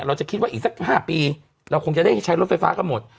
เราจะคิดว่าอีกสัก๕ปีเราคงจะได้ใช้รถไฟฟ้ากันหมด